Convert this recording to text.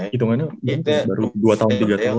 baru dua tahun tiga tahun